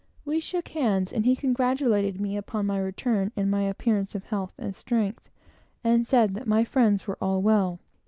He shook me by the hand, congratulated me upon my return and my appearance of health and strength, and said my friends were all well.